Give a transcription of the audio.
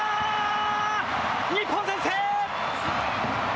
日本、先制。